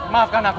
bapak maafkan aku